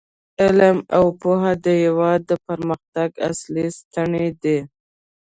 علم او پوهه د هیواد د پرمختګ اصلي ستنې دي.